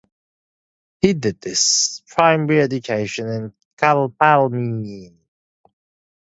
He did his primary education in Kpalime.